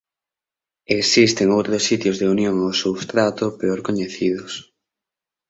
Existen outros sitios de unión ao substrato peor coñecidos.